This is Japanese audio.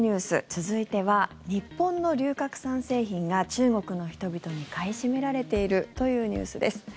続いては、日本の龍角散製品が中国の人々に買い占められているというニュースです。